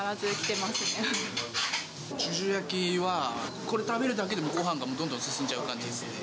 じゅうじゅう焼きは、これ食べるだけでもごはんがどんどん進んじゃう感じですね。